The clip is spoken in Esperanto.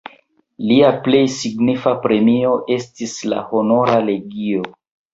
Lia plej signifa premio estis la Honora legio.